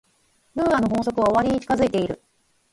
ムーアの法則は終わりに近づいている。